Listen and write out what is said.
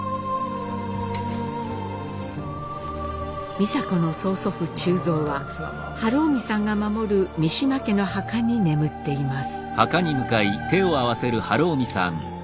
美佐子の曽祖父忠蔵は春臣さんが守る三島家の墓に眠っています。